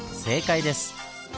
正解です。